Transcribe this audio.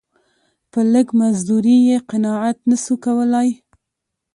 په لږ مزدوري یې قناعت نه سو کولای.